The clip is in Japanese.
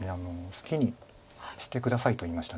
好きにして下さいと言いました。